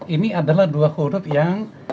ini adalah dua korup yang